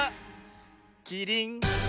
キリン！